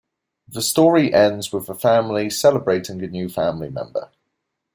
The story ends with the family celebrating a new family member.